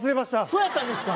そうやったんですか！？